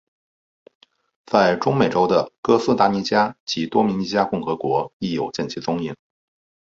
在中美洲的哥斯达尼加及多明尼加共和国亦有见其踪影。